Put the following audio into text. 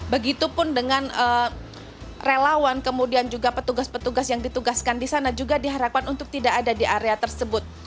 begitupun dengan relawan kemudian juga petugas petugas yang ditugaskan di sana juga diharapkan untuk tidak ada di area tersebut